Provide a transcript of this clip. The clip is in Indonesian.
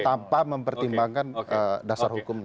tanpa mempertimbangkan dasar hukumnya